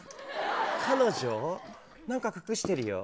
彼女、何か隠してるよ。